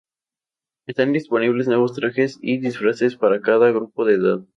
Están disponibles nuevos trajes y disfraces para cada grupo de edad.